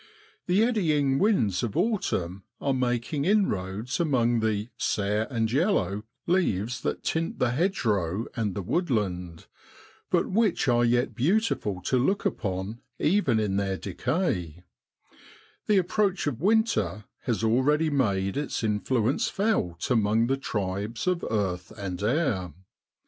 The eddying winds of autumn are making inroads among the * sere and yellow' leaves that tint the hedge row and the woodland, but which are yet beautiful to look upon even in their decay; the approach of winter has already made its influence felt among the tribes of earth and air.